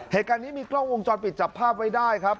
เหตุการณ์นี้มีกล้องวงจรปิดจับภาพไว้ได้ครับ